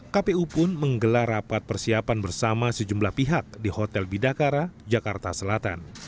kpu pun menggelar rapat persiapan bersama sejumlah pihak di hotel bidakara jakarta selatan